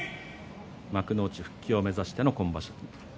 幕内復帰を目指しての今場所